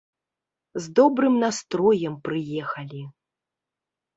З добрым настроем прыехалі.